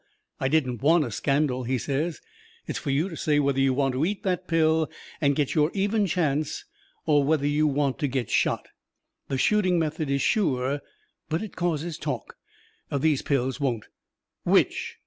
I didn't want a scandal," he says. "It's for you to say whether you want to eat that pill and get your even chance, or whether you want to get shot. The shooting method is sure, but it causes talk. These pills won't. WHICH?"